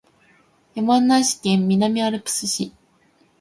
山梨県南アルプス市